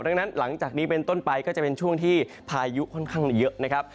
ดังนั้นหลังจากนี้เป็นต้นไปก็จะเป็นช่วงที่พายุค่อนข้างเยอะนะครับ